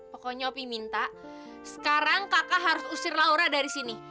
pokoknya opi minta sekarang kakak harus usir laura dari sini